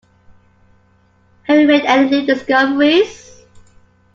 Have you made any new discoveries?